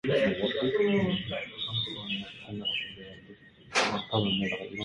Tamién sabe quién apreparaba moscas feitas con pluma de gaḷḷu.